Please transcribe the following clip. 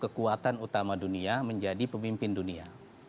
kekuatan utama dunia menjadi pemimpin dunia